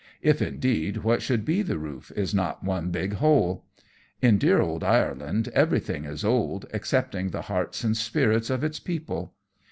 if, indeed, what should be the roof is not one big hole. In dear old Ireland everything is old, excepting the hearts and spirits of its people.